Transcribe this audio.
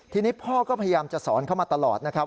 ทีนี้พ่อก็พยายามจะสอนเข้ามาตลอดนะครับ